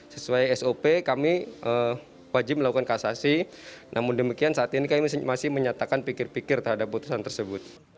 sesuai sop kami wajib melakukan kasasi namun demikian saat ini kami masih menyatakan pikir pikir terhadap putusan tersebut